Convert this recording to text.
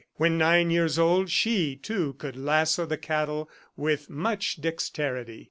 When nine years old she, too, could lasso the cattle with much dexterity.